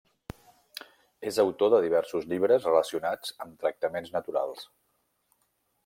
És autor de diversos llibres relacionats amb tractaments naturals.